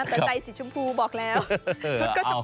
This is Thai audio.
เตือนใจสีชมพูบอกแล้ว